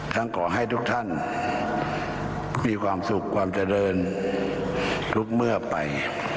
ขอให้ทุกท่านมีความสุขความเจริญทุกเมื่อไป